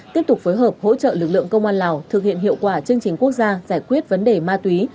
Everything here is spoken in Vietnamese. tiếp tục phối hợp hỗ trợ lực lượng công an lào thực hiện hiệu quả chương trình quốc gia giải quyết vấn đề ma túy